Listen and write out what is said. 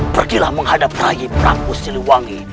pergilah menghadap rai prabowo siliwangi